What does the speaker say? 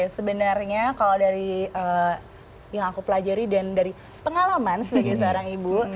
sebenarnya kalau dari yang aku pelajari dan dari pengalaman sebagai seorang ibu